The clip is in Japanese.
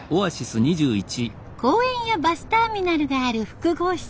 公園やバスターミナルがある複合施設。